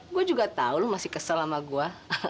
gue juga tau lo masih kesel sama gue